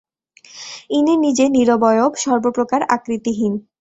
ইনি নিজে নিরবয়ব, সর্বপ্রকার আকৃতিহীন।